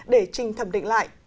để trình thẩm định lại